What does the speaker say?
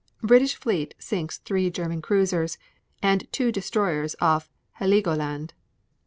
British fleet sinks three German cruisers and two destroyers off Heligoland.